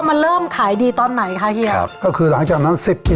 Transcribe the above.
มันเริ่มขายดีตอนไหนคะเฮียครับก็คือหลังจากนั้นสิบปี